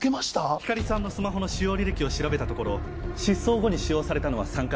光莉さんのスマホの使用履歴を調べたところ失踪後に使用されたのは３回。